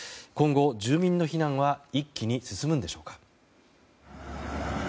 今後、住民の避難は一気に進むのでしょうか。